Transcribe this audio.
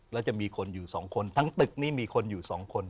แล้วจะมีคนอยู่๒คนทั้งตึกนี้มีคนอยู่๒คน